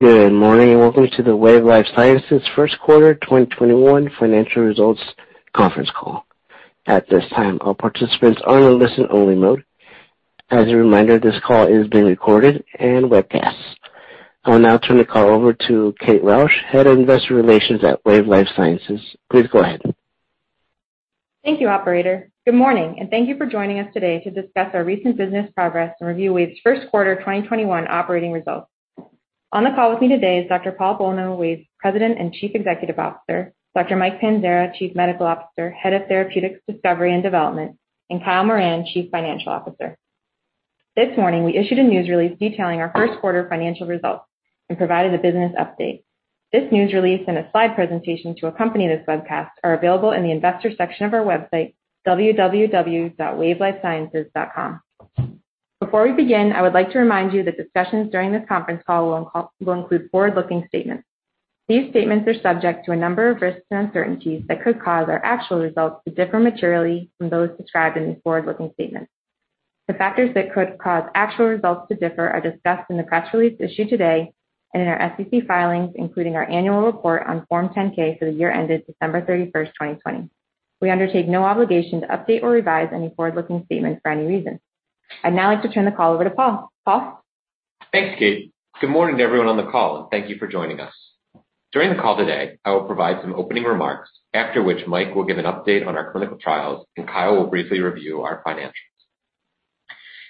Good morning, and welcome to the Wave Life Sciences First Quarter 2021 Financial Results Conference Call. At this time, all participants are in listen only mode. As a reminder, this call is being recorded and webcast. I will now turn the call over to Kate Rausch, Head of Investor Relations at Wave Life Sciences, please go ahead. Thank you, operator. Good morning, thank you for joining us today to discuss our recent business progress and review Wave's first quarter 2021 operating results. On the call with me today is Dr. Paul Bolno, Wave's President and Chief Executive Officer, Dr. Mike Panzara, Chief Medical Officer, Head of Therapeutics Discovery and Development, and Kyle Moran, Chief Financial Officer. This morning, we issued a news release detailing our first quarter financial results and provided a business update. This news release and a slide presentation to accompany this webcast are available in the investors section of our website, www.wavelifesciences.com. Before we begin, I would like to remind you that discussions during this conference call will include forward-looking statements. These statements are subject to a number of risks and uncertainties that could cause our actual results to differ materially from those described in these forward-looking statements. The factors that could cause actual results to differ are discussed in the press release issued today and in our SEC filings, including our annual report on Form 10-K for the year ended December 31st, 2020. We undertake no obligation to update or revise any forward-looking statements for any reason. I'd now like to turn the call over to Paul, Paul? Thanks, Kate. Good morning to everyone on the call, and thank you for joining us. During the call today, I will provide some opening remarks, after which Mike will give an update on our clinical trials and Kyle will briefly review our financials.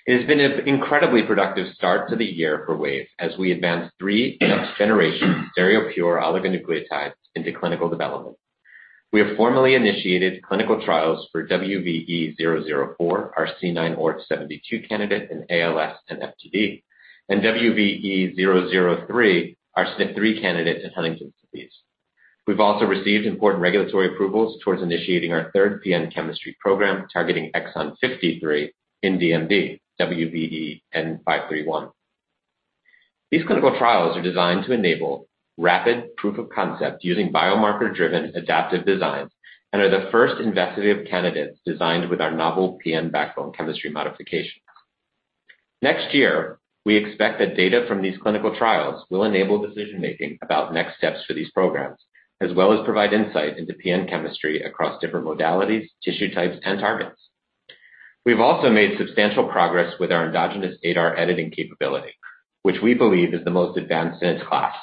It has been an incredibly productive start to the year for Wave as we advance three next-generation stereopure oligonucleotides into clinical development. We have formally initiated clinical trials for WVE-004, our C9orf72 candidate in ALS and FTD, and WVE-003, our SNP3 candidate in Huntington's disease. We've also received important regulatory approvals towards initiating our third PN chemistry program targeting exon 53 in DMD, WVE-N531. These clinical trials are designed to enable rapid proof of concept using biomarker driven adaptive designs and are the first investigative candidates designed with our novel PN backbone chemistry modification. Next year, we expect that data from these clinical trials will enable decision-making about next steps for these programs, as well as provide insight into PN chemistry across different modalities, tissue types, and targets. We've also made substantial progress with our endogenous ADAR editing capability, which we believe is the most advanced in its class.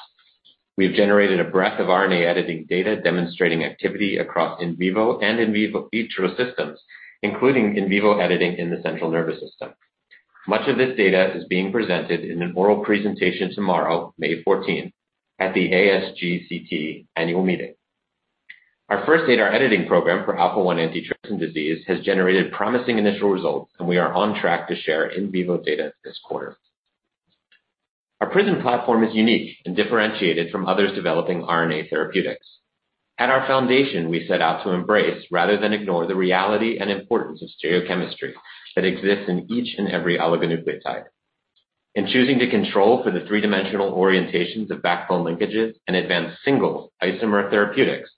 We have generated a breadth of RNA editing data demonstrating activity across in vivo and in vitro systems, including in vivo editing in the central nervous system. Much of this data is being presented in an oral presentation tomorrow, May 14th at the ASGCT annual meeting. Our first ADAR editing program for alpha-1 antitrypsin disease has generated promising initial results, and we are on track to share in vivo data this quarter. Our PRISM platform is unique and differentiated from others developing RNA therapeutics. At our foundation, we set out to embrace rather than ignore the reality and importance of stereochemistry that exists in each and every oligonucleotide. In choosing to control for the three-dimensional orientations of backbone linkages and advance single isomer therapeutics,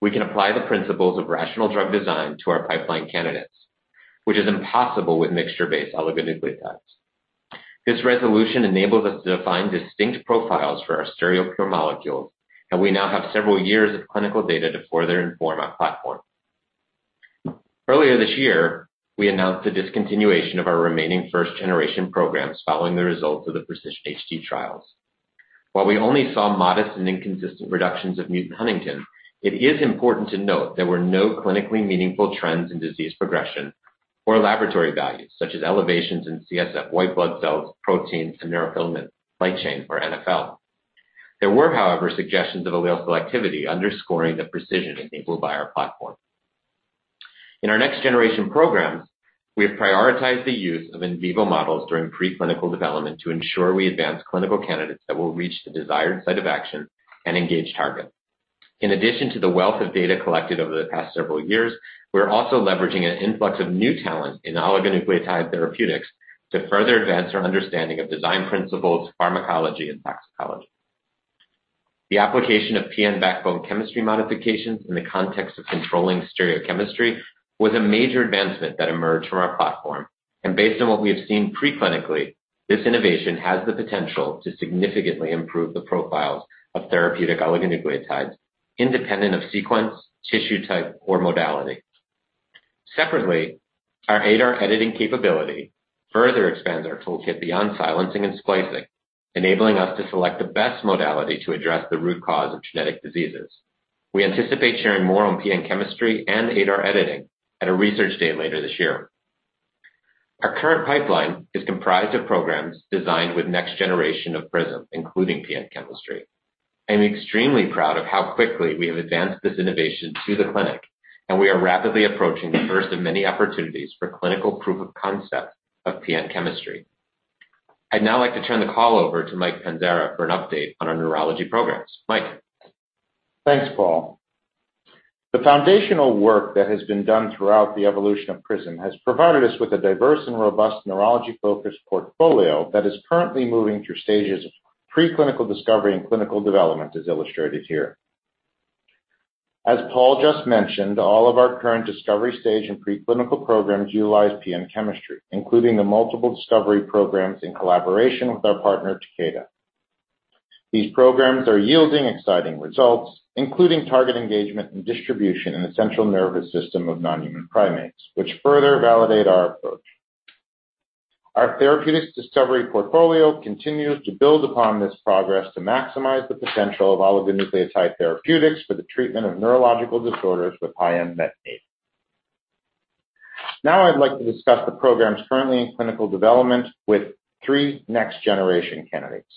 we can apply the principles of rational drug design to our pipeline candidates, which is impossible with mixture-based oligonucleotides. This resolution enables us to define distinct profiles for our stereopure molecules, and we now have several years of clinical data to further inform our platform. Earlier this year, we announced the discontinuation of our remaining first-generation programs following the results of the PRECISION-HD trials. While we only saw modest and inconsistent reductions of mutant huntingtin, it is important to note there were no clinically meaningful trends in disease progression or laboratory values such as elevations in CSF, white blood cells, proteins, and neurofilament light chain or NfL. There were, however, suggestions of allele selectivity underscoring the precision enabled by our platform. In our next generation programs, we have prioritized the use of in vivo models during preclinical development to ensure we advance clinical candidates that will reach the desired site of action and engage targets. In addition to the wealth of data collected over the past several years, we are also leveraging an influx of new talent in oligonucleotide therapeutics to further advance our understanding of design principles, pharmacology, and toxicology. The application of PN backbone chemistry modifications in the context of controlling stereochemistry was a major advancement that emerged from our platform, and based on what we have seen preclinically, this innovation has the potential to significantly improve the profiles of therapeutic oligonucleotides independent of sequence, tissue type, or modality. Separately, our ADAR editing capability further expands our toolkit beyond silencing and splicing, enabling us to select the best modality to address the root cause of genetic diseases. We anticipate sharing more on PN chemistry and ADAR editing at a research day later this year. Our current pipeline is comprised of programs designed with next generation of PRISM, including PN chemistry. I'm extremely proud of how quickly we have advanced this innovation to the clinic, and we are rapidly approaching the first of many opportunities for clinical proof of concept of PN chemistry. I'd now like to turn the call over to Mike Panzara for an update on our neurology programs, Mike? Thanks, Paul. The foundational work that has been done throughout the evolution of PRISM has provided us with a diverse and robust neurology-focused portfolio that is currently moving through stages of preclinical discovery and clinical development as illustrated here. As Paul just mentioned, all of our current discovery stage and preclinical programs utilize PN chemistry, including the multiple discovery programs in collaboration with our partner, Takeda. These programs are yielding exciting results, including target engagement and distribution in the central nervous system of non-human primates, which further validate our approach. Our therapeutics discovery portfolio continues to build upon this progress to maximize the potential of oligonucleotide therapeutics for the treatment of neurological disorders with high unmet need. Now I'd like to discuss the programs currently in clinical development with three next-generation candidates.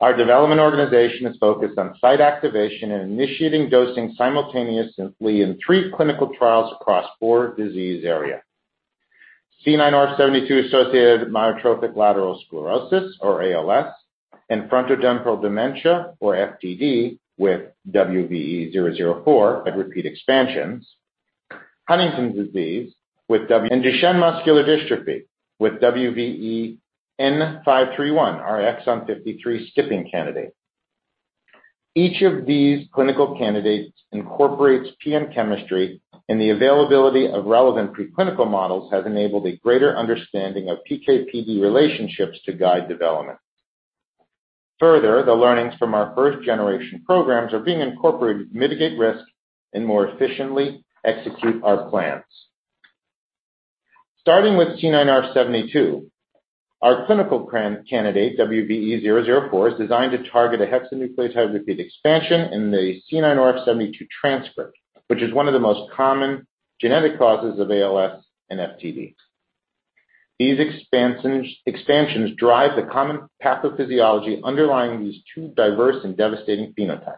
Our development organization is focused on site activation and initiating dosing simultaneously in three clinical trials across four disease area. C9orf72-associated amyotrophic lateral sclerosis, or ALS, and frontotemporal dementia, or FTD, with WVE-004 at repeat expansions, Huntington's disease with Duchenne muscular dystrophy with WVE-N531, our exon 53 skipping candidate. Each of these clinical candidates incorporates PN chemistry, and the availability of relevant preclinical models has enabled a greater understanding of PK/PD relationships to guide development. Further, the learnings from our first-generation programs are being incorporated to mitigate risk and more efficiently execute our plans. Starting with C9orf72, our clinical candidate, WVE-004, is designed to target a hexanucleotide repeat expansion in the C9orf72 transcript, which is one of the most common genetic causes of ALS and FTD. These expansions drive the common pathophysiology underlying these two diverse and devastating phenotypes.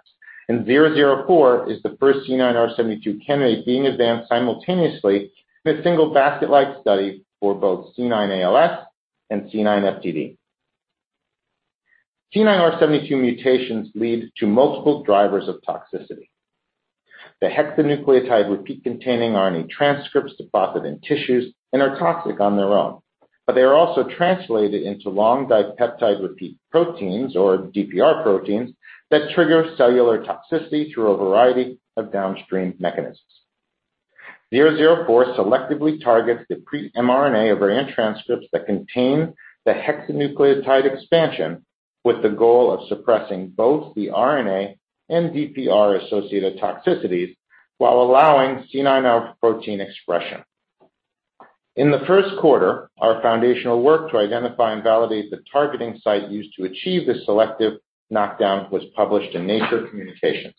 WVE-004 is the first C9orf72 candidate being advanced simultaneously in a single basket-like study for both C9 ALS and C9 FTD. C9orf72 mutations lead to multiple drivers of toxicity. The hexanucleotide repeat-containing RNA transcripts deposit in tissues and are toxic on their own. They are also translated into long dipeptide repeat proteins, or DPR proteins, that trigger cellular toxicity through a variety of downstream mechanisms. WVE-004 selectively targets the pre-mRNA or RNA transcripts that contain the hexanucleotide expansion, with the goal of suppressing both the RNA and DPR-associated toxicities while allowing C9orf72 protein expression. In the first quarter, our foundational work to identify and validate the targeting site used to achieve this selective knockdown was published in "Nature Communications."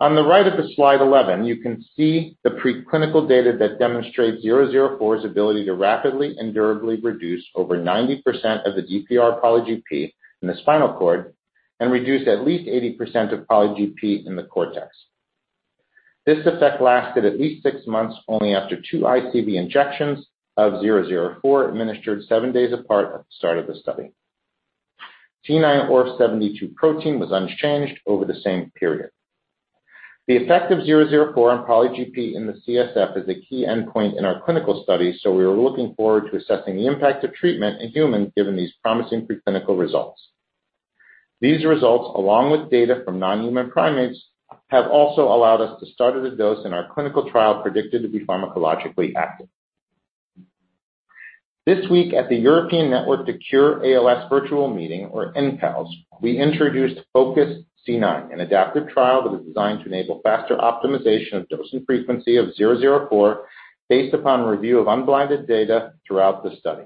On the right of slide 11, you can see the preclinical data that demonstrates WVE-004's ability to rapidly and durably reduce over 90% of the DPR poly(GP) in the spinal cord and reduce at least 80% of poly(GP) in the cortex. This effect lasted at least six months only after two ICV injections of WVE-004 administered seven days apart at the start of the study. C9orf72 protein was unchanged over the same period. The effect of WVE-004 on poly(GP) in the CSF is a key endpoint in our clinical study. We are looking forward to assessing the impact of treatment in humans, given these promising preclinical results. These results, along with data from non-human primates, have also allowed us to start at a dose in our clinical trial predicted to be pharmacologically active. This week at the European Network to Cure ALS virtual meeting, or ENCALS, we introduced FOCUS-C9, an adaptive trial that is designed to enable faster optimization of dose and frequency of WVE-004 based upon review of unblinded data throughout the study.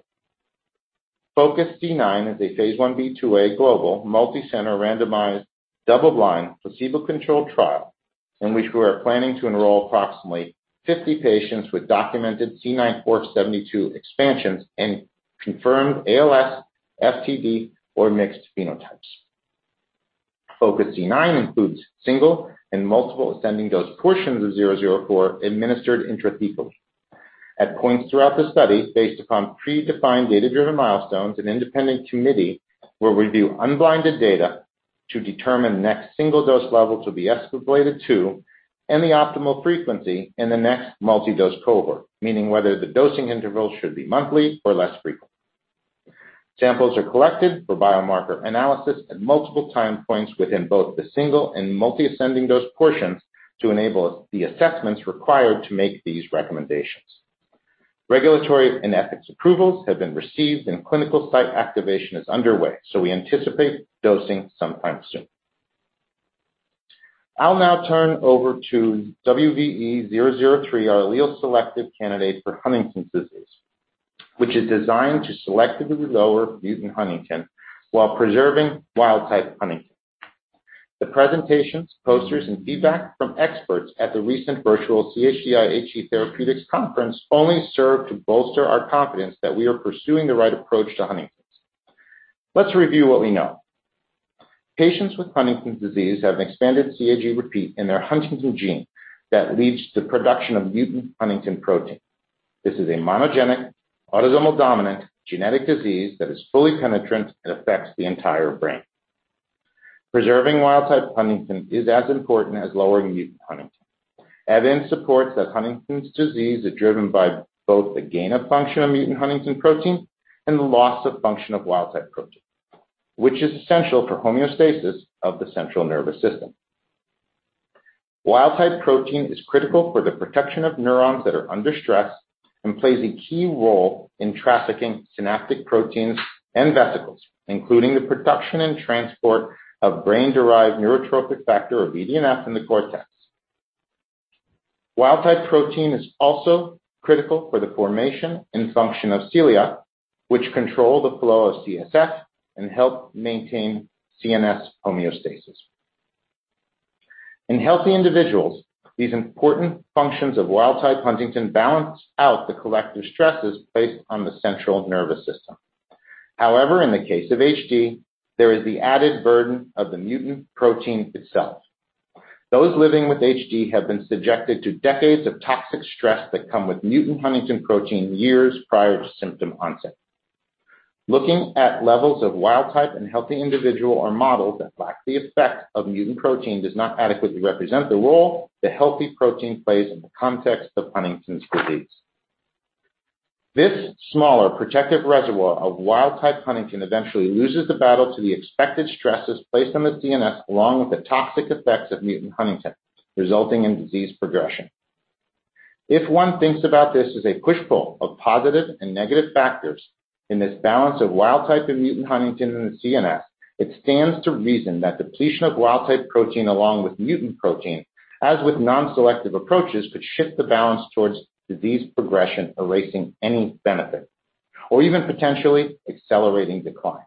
FOCUS-C9 is a phase I-B/II-A global, multicenter, randomized, double-blind, placebo-controlled trial in which we are planning to enroll approximately 50 patients with documented C9orf72 expansions and confirmed ALS, FTD, or mixed phenotypes. FOCUS-C9 includes single and multiple ascending dose portions of WVE-004 administered intrathecally. At points throughout the study, based upon predefined data-driven milestones, an independent committee will review unblinded data to determine next single dose level to be escalated to, and the optimal frequency in the next multi-dose cohort, meaning whether the dosing interval should be monthly or less frequent. Samples are collected for biomarker analysis at multiple time points within both the single and multi-ascending dose portions to enable the assessments required to make these recommendations. Regulatory and ethics approvals have been received, and clinical site activation is underway, so we anticipate dosing sometime soon. I'll now turn over to WVE-003, our allele-selective candidate for Huntington's disease, which is designed to selectively lower mutant huntingtin while preserving wild-type huntingtin. The presentations, posters, and feedback from experts at the recent virtual CHDI HE Therapeutics Conference only serve to bolster our confidence that we are pursuing the right approach to Huntington's. Let's review what we know. Patients with Huntington's disease have an expanded CAG repeat in their huntingtin gene that leads to production of mutant huntingtin protein. This is a monogenic, autosomal dominant genetic disease that is fully penetrant and affects the entire brain. Preserving wild-type huntingtin is as important as lowering mutant huntingtin. Evidence supports that Huntington's disease is driven by both the gain of function of mutant huntingtin protein and the loss of function of wild type protein, which is essential for homeostasis of the central nervous system. Wild type protein is critical for the protection of neurons that are under stress and plays a key role in trafficking synaptic proteins and vesicles, including the production and transport of brain-derived neurotrophic factor, or BDNF, in the cortex. Wild type protein is also critical for the formation and function of cilia, which control the flow of CSF and help maintain CNS homeostasis. In healthy individuals, these important functions of wild type huntingtin balance out the collective stresses placed on the central nervous system. However, in the case of HD, there is the added burden of the mutant protein itself. Those living with HD have been subjected to decades of toxic stress that come with mutant huntingtin protein years prior to symptom onset. Looking at levels of wild type in healthy individual or models that lack the effect of mutant protein does not adequately represent the role the healthy protein plays in the context of Huntington's disease. This smaller protective reservoir of wild type huntingtin eventually loses the battle to the expected stresses placed on the CNS, along with the toxic effects of mutant huntingtin, resulting in disease progression. If one thinks about this as a push-pull of positive and negative factors in this balance of wild type and mutant huntingtin in the CNS, it stands to reason that depletion of wild type protein along with mutant protein, as with non-selective approaches, could shift the balance towards disease progression, erasing any benefit or even potentially accelerating decline.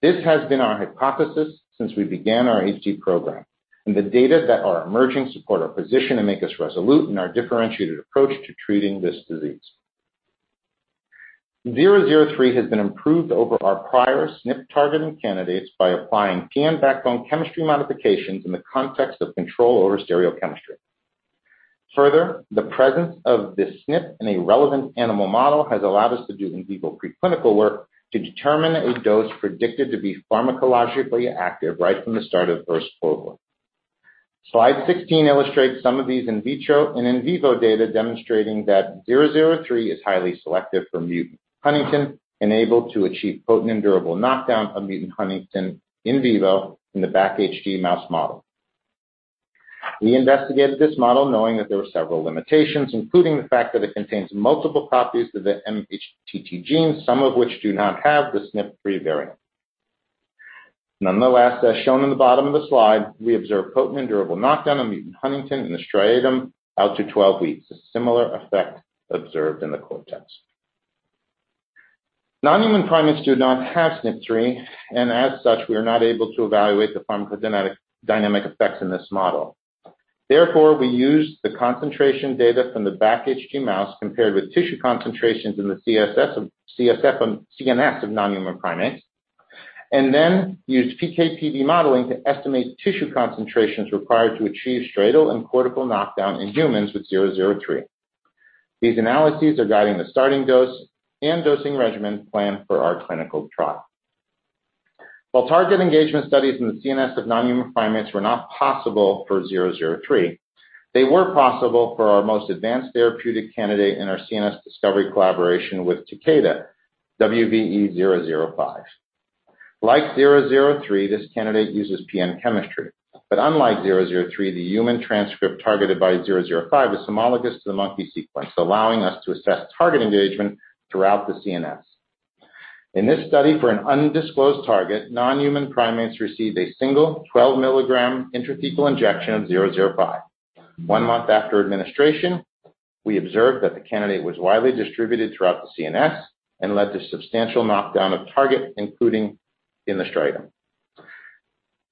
This has been our hypothesis since we began our HD program. The data that are emerging support our position and make us resolute in our differentiated approach to treating this disease. WVE-003 has been improved over our prior SNP-targeting candidates by applying PN backbone chemistry modifications in the context of control over stereochemistry. The presence of this SNP in a relevant animal model has allowed us to do in vivo preclinical work to determine a dose predicted to be pharmacologically active right from the start of first cohort. Slide 16 illustrates some of these in vitro and in vivo data, demonstrating that WVE-003 is highly selective for mutant huntingtin and able to achieve potent and durable knockdown of mutant huntingtin in vivo in the BACHD mouse model. We investigated this model knowing that there were several limitations, including the fact that it contains multiple copies of the mHTT gene, some of which do not have the SNP3 variant. Nonetheless, as shown in the bottom of the slide, we observed potent and durable knockdown of mutant huntingtin in the striatum out to 12 weeks, a similar effect observed in the cortex. Non-human primates do not have SNP3, as such, we are not able to evaluate the pharmacodynamic effects in this model. We used the concentration data from the BACHD mouse compared with tissue concentrations in the CSF and CNS of non-human primates, and then used PK/PD modeling to estimate tissue concentrations required to achieve striatal and cortical knockdown in humans with 003. These analyses are guiding the starting dose and dosing regimen planned for our clinical trial. While target engagement studies in the CNS of non-human primates were not possible for WVE-003, they were possible for our most advanced therapeutic candidate in our CNS discovery collaboration with Takeda, WVE-005. Like WVE-003, this candidate uses PN chemistry. Unlike WVE-003, the human transcript targeted by WVE-005 is homologous to the monkey sequence, allowing us to assess target engagement throughout the CNS. In this study, for an undisclosed target, non-human primates received a single 12 mg intrathecal injection of WVE-005. One month after administration, we observed that the candidate was widely distributed throughout the CNS and led to substantial knockdown of target, including in the striatum.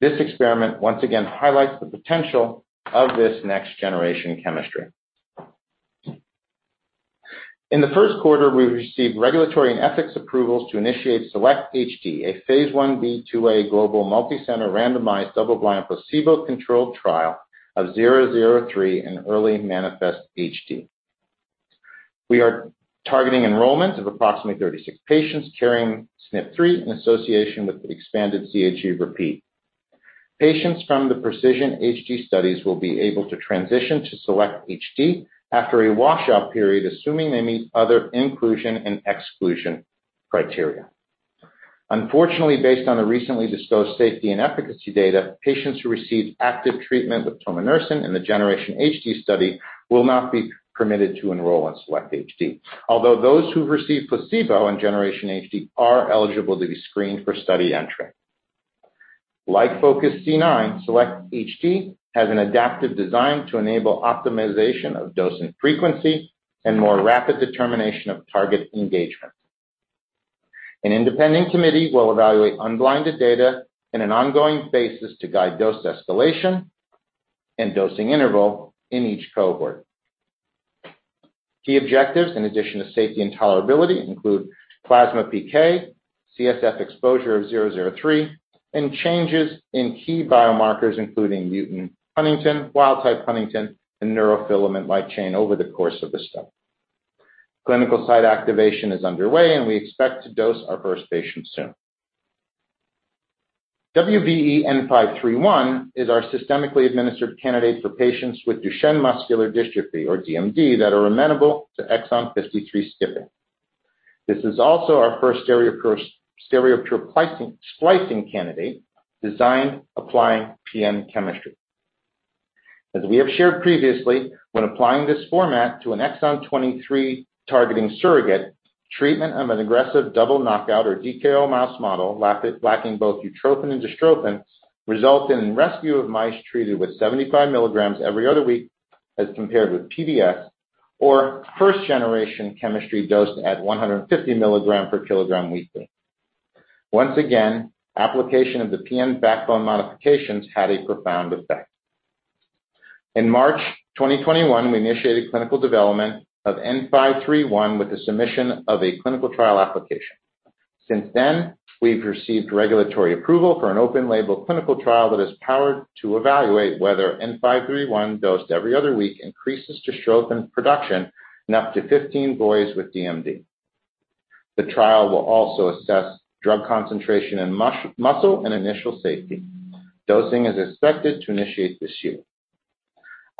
This experiment once again highlights the potential of this next generation chemistry. In the first quarter, we received regulatory and ethics approvals to initiate SELECT-HD, a phase I-B/II-A global multi-center randomized double-blind placebo-controlled trial of WVE-003 in early manifest HD. We are targeting enrollment of approximately 36 patients carrying SNP3 in association with the expanded CAG repeat. Patients from the PRECISION-HD studies will be able to transition to SELECT-HD after a washout period, assuming they meet other inclusion and exclusion criteria. Unfortunately, based on the recently disclosed safety and efficacy data, patients who received active treatment with tominersen in the GENERATION-HD study will not be permitted to enroll in SELECT-HD. Although those who've received placebo in GENERATION-HD are eligible to be screened for study entry. Like FOCUS-C9, SELECT-HD has an adaptive design to enable optimization of dose and frequency and more rapid determination of target engagement. An independent committee will evaluate unblinded data in an ongoing basis to guide dose escalation and dosing interval in each cohort. Key objectives, in addition to safety and tolerability, include plasma PK, CSF exposure of WVE-003, and changes in key biomarkers, including mutant huntingtin, wild type huntingtin, and neurofilament light chain over the course of the study. Clinical site activation is underway, and we expect to dose our first patient soon. WVE-N531 is our systemically administered candidate for patients with Duchenne muscular dystrophy or DMD that are amenable to exon 53 skipping. This is also our first stereopure splicing candidate designed applying PN chemistry. As we have shared previously, when applying this format to an exon 23 targeting surrogate, treatment of an aggressive double knockout or DKO mouse model lacking both utrophin and dystrophin, result in rescue of mice treated with 75 mg every other week as compared with PBS or first-generation chemistry dosed at 150 mg/kg weekly. Once again, application of the PN backbone modifications had a profound effect. In March 2021, we initiated clinical development of WVE-N531 with the submission of a clinical trial application. Since then, we've received regulatory approval for an open label clinical trial that is powered to evaluate whether WVE-N531 dosed every other week increases dystrophin production in up to 15 boys with DMD. The trial will also assess drug concentration in muscle and initial safety. Dosing is expected to initiate this year.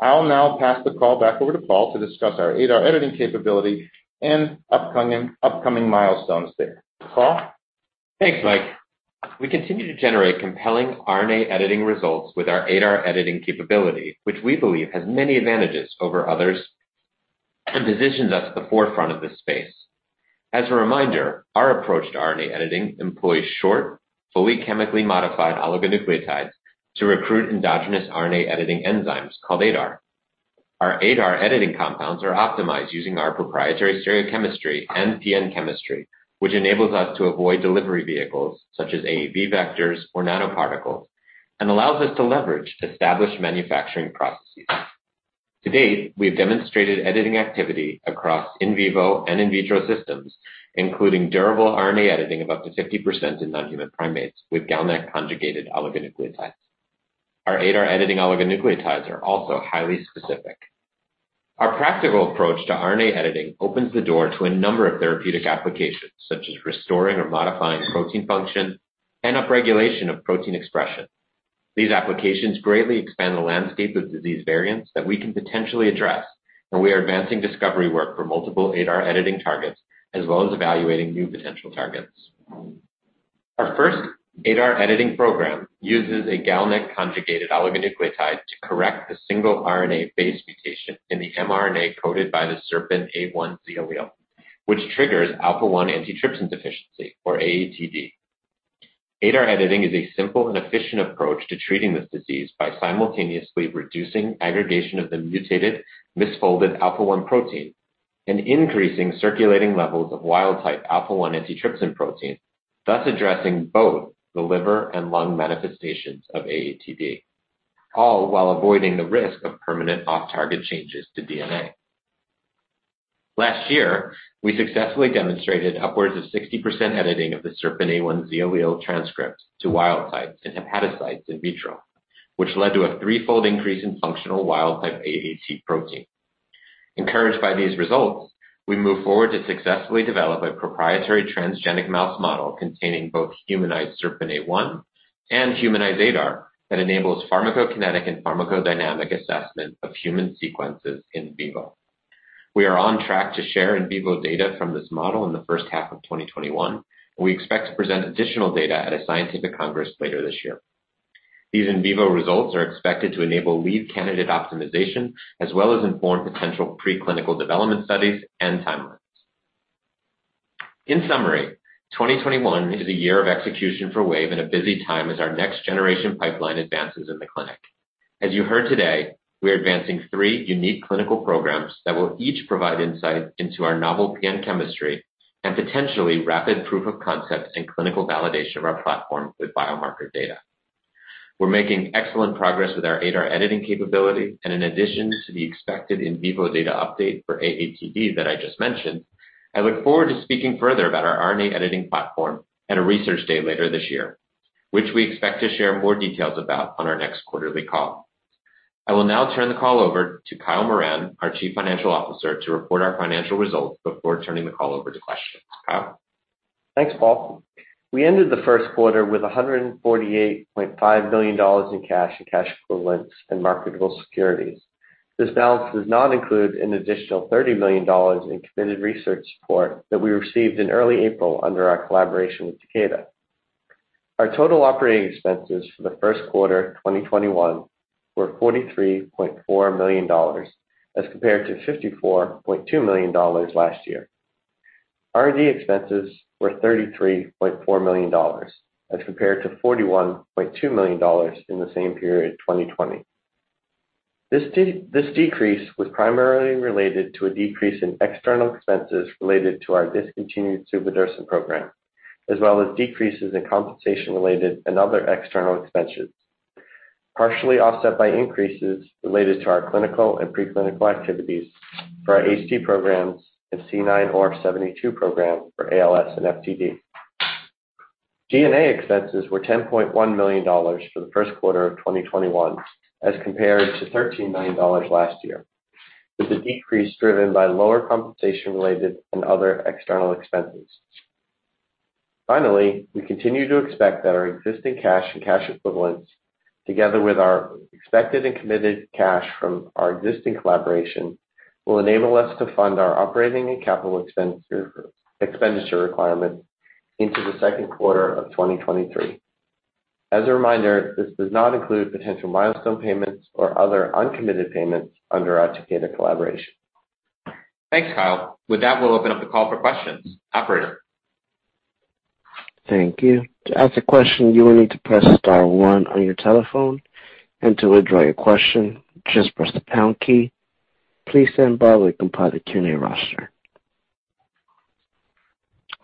I'll now pass the call back over to Paul to discuss our ADAR editing capability and upcoming milestones there. Paul? Thanks, Mike. We continue to generate compelling RNA editing results with our ADAR editing capability, which we believe has many advantages over others and positions us at the forefront of this space. As a reminder, our approach to RNA editing employs short, fully chemically modified oligonucleotides to recruit endogenous RNA editing enzymes called ADAR. Our ADAR editing compounds are optimized using our proprietary stereochemistry and PN chemistry, which enables us to avoid delivery vehicles such as AAV vectors or nanoparticles, and allows us to leverage established manufacturing processes. To date, we have demonstrated editing activity across in vivo and in vitro systems, including durable RNA editing of up to 50% in non-human primates with GalNAc conjugated oligonucleotides. Our ADAR editing oligonucleotides are also highly specific. Our practical approach to RNA editing opens the door to a number of therapeutic applications, such as restoring or modifying protein function and upregulation of protein expression. These applications greatly expand the landscape of disease variants that we can potentially address, and we are advancing discovery work for multiple ADAR editing targets, as well as evaluating new potential targets. Our first ADAR editing program uses a GalNAc conjugated oligonucleotide to correct the single RNA base mutation in the mRNA coded by the SERPINA1 Z allele, which triggers alpha-1 antitrypsin deficiency, or AATD. ADAR editing is a simple and efficient approach to treating this disease by simultaneously reducing aggregation of the mutated misfolded alpha-1 protein and increasing circulating levels of wild type alpha-1 antitrypsin protein, thus addressing both the liver and lung manifestations of AATD. All while avoiding the risk of permanent off-target changes to DNA. Last year, we successfully demonstrated upwards of 60% editing of the SERPINA1 Z allele transcript to wild type in hepatocytes in vitro, which led to a threefold increase in functional wild type AAT protein. Encouraged by these results, we moved forward to successfully develop a proprietary transgenic mouse model containing both humanized SERPINA1 and humanized ADAR that enables pharmacokinetic and pharmacodynamic assessment of human sequences in vivo. We are on track to share in vivo data from this model in the first half of 2021. We expect to present additional data at a scientific congress later this year. These in vivo results are expected to enable lead candidate optimization as well as inform potential preclinical development studies and timelines. In summary, 2021 is a year of execution for Wave and a busy time as our next generation pipeline advances in the clinic. As you heard today, we are advancing three unique clinical programs that will each provide insight into our novel PN chemistry and potentially rapid proof of concepts and clinical validation of our platform with biomarker data. We're making excellent progress with our ADAR editing capability, and in addition to the expected in vivo data update for AATD that I just mentioned, I look forward to speaking further about our RNA editing platform at a research day later this year, which we expect to share more details about on our next quarterly call. I will now turn the call over to Kyle Moran, our Chief Financial Officer, to report our financial results before turning the call over to questions, Kyle? Thanks, Paul. We ended the first quarter with $148.5 million in cash and cash equivalents in marketable securities. This balance does not include an additional $30 million in committed research support that we received in early April under our collaboration with Takeda. Our total operating expenses for the first quarter 2021 were $43.4 million as compared to $54.2 million last year. R&D expenses were $33.4 million as compared to $41.2 million in the same period 2020. This decrease was primarily related to a decrease in external expenses related to our discontinued suvodirsen program, as well as decreases in compensation-related and other external expenses, partially offset by increases related to our clinical and preclinical activities for our HD programs and C9orf72 program for ALS and FTD. G&A expenses were $10.1 million for the first quarter of 2021 as compared to $13 million last year. With the decrease driven by lower compensation-related and other external expenses. Finally, we continue to expect that our existing cash and cash equivalents, together with our expected and committed cash from our existing collaboration, will enable us to fund our operating and capital expenditure requirements into the second quarter of 2023. As a reminder, this does not include potential milestone payments or other uncommitted payments under our Takeda collaboration. Thanks, Kyle. With that, we'll open up the call for questions, operator? Thank you, to ask a question you will need to press star one on your telephone and to withdraw your question, just press the pound key. Please stand by with compiler Q&A roster.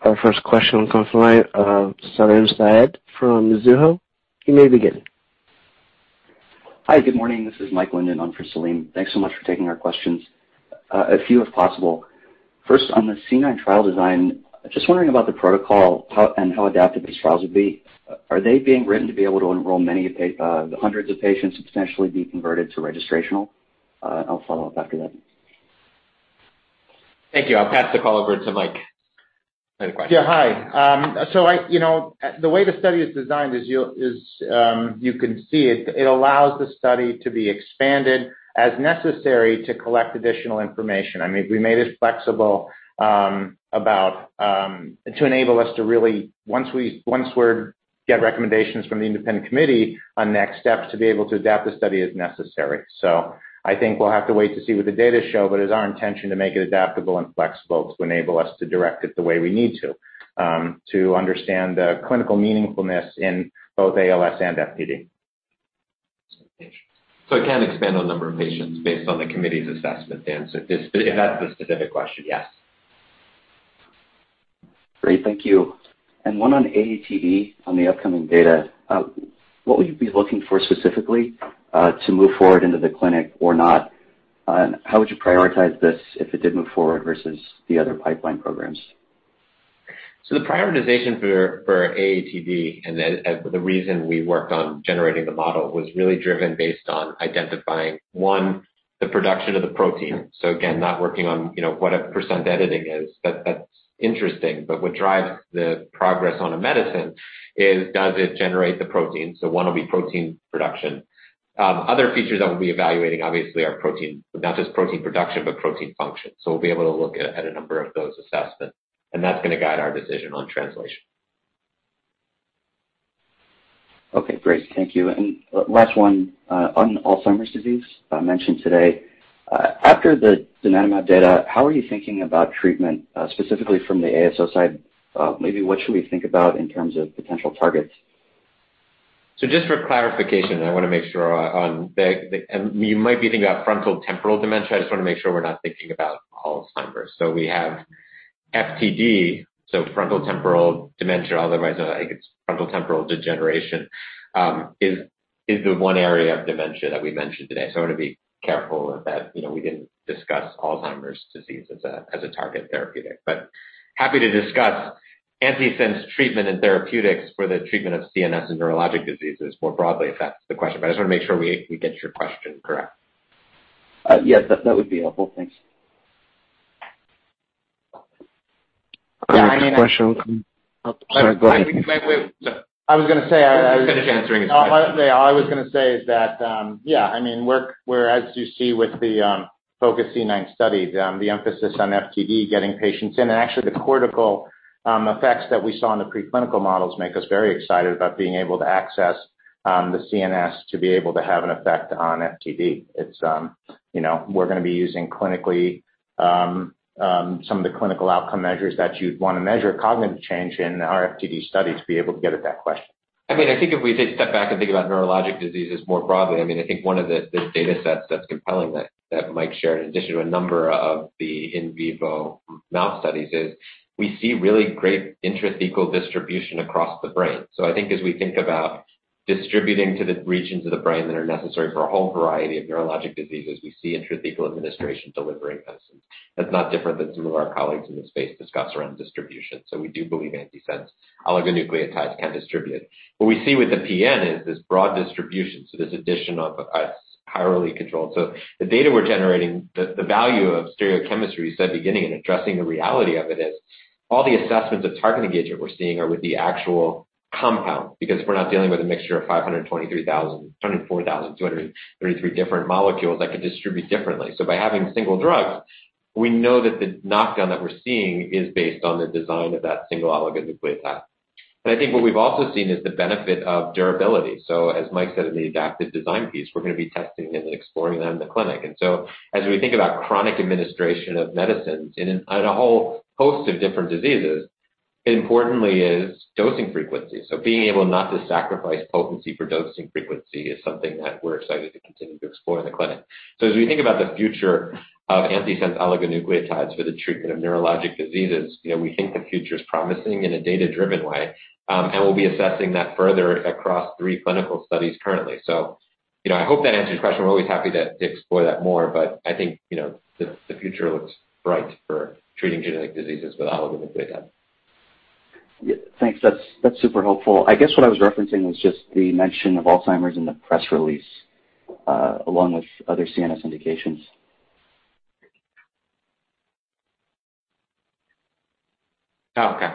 Our first question comes from Salim Syed from Mizuho, you may begin. Hi, good morning. This is Michael Linden on for Salim, thanks so much for taking our questions. A few, if possible. First, on the C9 trial design, just wondering about the protocol and how adaptive these trials would be. Are they being written to be able to enroll many of the hundreds of patients and potentially be converted to registrational? I'll follow up after that. Thank you, I'll pass the call over to Mike for another question. Yeah, hi, the way the study is designed is, you can see it allows the study to be expanded as necessary to collect additional information. We made it flexible to enable us to really, once we get recommendations from the independent committee on next steps, to be able to adapt the study as necessary. I think we'll have to wait to see what the data show, but it's our intention to make it adaptable and flexible to enable us to direct it the way we need to understand the clinical meaningfulness in both ALS and FTD. It can expand on the number of patients based on the committee's assessment then, if that's the specific question, yes. Great, thank you. One on AATD, on the upcoming data. What will you be looking for specifically, to move forward into the clinic or not? How would you prioritize this if it did move forward versus the other pipeline programs? The prioritization for AATD and the reason we worked on generating the model was really driven based on identifying one, the production of the protein. Again, not working on what a percent editing is. That's interesting, but what drives the progress on a medicine is does it generate the protein. One will be protein production. Other features that we'll be evaluating, obviously, are not just protein production, but protein function. We'll be able to look at a number of those assessments, and that's going to guide our decision on translation. Okay, great, thank you. Last one, on Alzheimer's disease, mentioned today. After the donanemab data, how are you thinking about treatment, specifically from the ASO side? Maybe what should we think about in terms of potential targets? Just for clarification, I want to make sure you might be thinking about frontotemporal dementia. I just want to make sure we're not thinking about Alzheimer's. We have FTD, so frontotemporal dementia, otherwise known, I think, it's frontotemporal degeneration, is the one area of dementia that we mentioned today. I want to be careful of that. We didn't discuss Alzheimer's disease as a target therapeutic. Happy to discuss antisense treatment and therapeutics for the treatment of CNS and neurologic diseases more broadly, if that's the question, but I just want to make sure we get your question correct. Yes,, that would be helpful, thanks. Next question, oh, sorry, go ahead. I was going to say- Finish answering his question.... all I was going to say is that. As you see with the FOCUS-C9 study, the emphasis on FTD, getting patients in, and actually the cortical effects that we saw in the preclinical models make us very excited about being able to access the CNS to be able to have an effect on FTD. We're going to be using some of the clinical outcome measures that you'd want to measure cognitive change in our FTD study to be able to get at that question. I think if we take a step back and think about neurologic diseases more broadly, I think one of the datasets that's compelling that Mike shared, in addition to a number of the in vivo mouse studies, is we see really great intrathecal distribution across the brain. I think as we think about distributing to the regions of the brain that are necessary for a whole variety of neurologic diseases, we see intrathecal administration delivering medicines. That's not different than some of our colleagues in the space discuss around distribution. We do believe antisense oligonucleotides can distribute. What we see with the PN is this broad distribution. This addition of it's highly controlled. The data we're generating, the value of stereochemistry, we said beginning and addressing the reality of it is all the assessments of target engagement we're seeing are with the actual compound, because we're not dealing with a mixture of 523,000, 204,233 different molecules that could distribute differently. By having single drugs, we know that the knockdown that we're seeing is based on the design of that single oligonucleotide. I think what we've also seen is the benefit of durability. As Mike said in the adaptive design piece, we're going to be testing and exploring that in the clinic. As we think about chronic administration of medicines on a whole host of different diseases, importantly is dosing frequency. Being able not to sacrifice potency for dosing frequency is something that we're excited to continue to explore in the clinic. As we think about the future of antisense oligonucleotides for the treatment of neurologic diseases, we think the future's promising in a data-driven way. We'll be assessing that further across three clinical studies currently. I hope that answers your question. We're always happy to explore that more, but I think the future looks bright for treating genetic diseases with oligonucleotides. Thanks, that's super helpful. I guess what I was referencing was just the mention of Alzheimer's in the press release, along with other CNS indications. Oh, okay,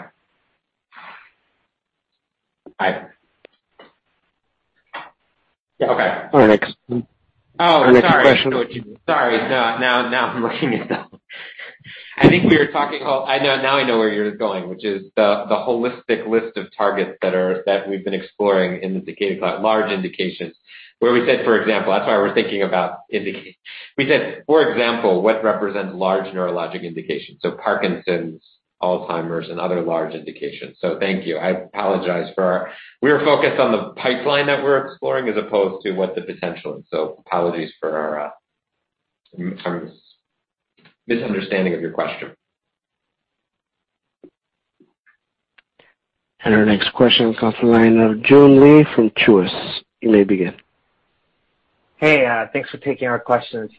I Yeah, okay. Our next question. Sorry, sorry, I know where you're going, which is the holistic list of targets that we've been exploring in the large indications where we said, for example, that's why we're thinking about indicating. We said, for example, what represents large neurologic indications, so Parkinson's disease, Alzheimer's disease, and other large indications, thank you. I apologize, we were focused on the pipeline that we're exploring as opposed to what the potential is, so apologies for our misunderstanding of your question. Our next question comes from the line of Joon Lee from Truist, you may begin. Hey, thanks for taking our questions.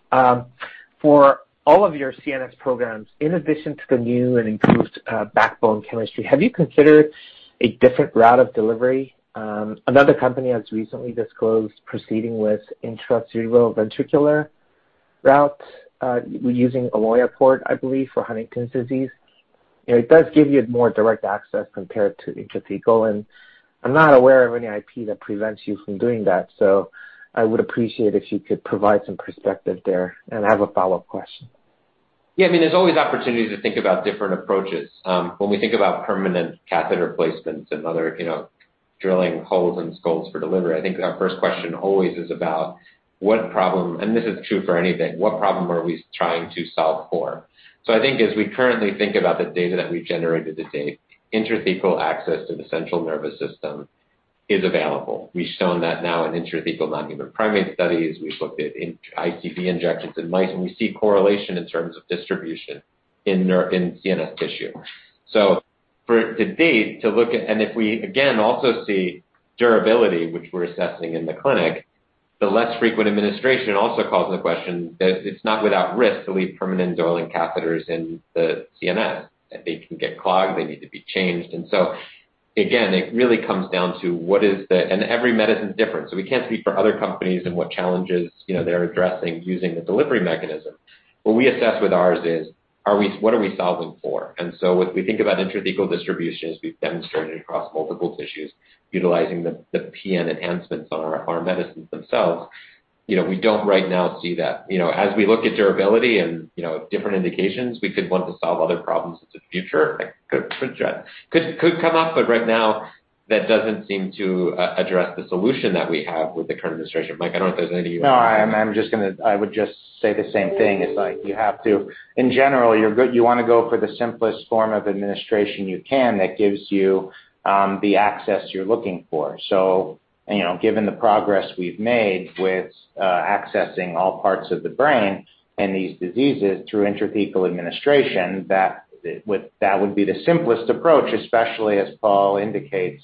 For all of your CNS programs, in addition to the new and improved backbone chemistry, have you considered a different route of delivery? Another company has recently disclosed proceeding with intracerebroventricular route using Ommaya port, I believe, for Huntington's disease. It does give you more direct access compared to intrathecal, and I'm not aware of any IP that prevents you from doing that. I would appreciate if you could provide some perspective there. I have a follow-up question. Yeah, there's always opportunities to think about different approaches. When we think about permanent catheter placements and other drilling holes in skulls for delivery, I think our first question always is about, and this is true for anything, what problem are we trying to solve for? I think as we currently think about the data that we've generated to date, intrathecal access to the central nervous system is available. We've shown that now in intrathecal non-human primate studies. We've looked at ICV injections in mice, and we see correlation in terms of distribution in CNS tissue. For to date, and if we, again, also see durability, which we're assessing in the clinic, the less frequent administration also calls into question that it's not without risk to leave permanent drilling catheters in the CNS. They can get clogged. They need to be changed. Again, every medicine's different. We can't speak for other companies and what challenges they're addressing using the delivery mechanism. What we assess with ours is, what are we solving for? As we think about intrathecal distributions, we've demonstrated across multiple tissues utilizing the PN enhancements on our medicines themselves. We don't right now see that. As we look at durability and different indications, we could want to solve other problems in the future that could come up. Right now, that doesn't seem to address the solution that we have with the current administration. Mike, I don't know if there's anything you want to- No, I would just say the same thing. In general, you want to go for the simplest form of administration you can that gives you the access you're looking for. Given the progress we've made with accessing all parts of the brain and these diseases through intrathecal administration, that would be the simplest approach, especially as Paul indicates,